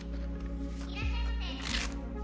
いらっしゃいませ。